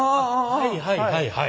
はいはいはいはい。